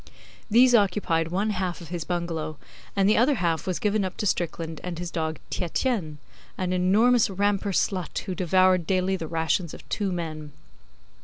These occupied one half of his bungalow, and the other half was given up to Strickland and his dog Tietjens an enormous Rampur slut who devoured daily the rations of two men.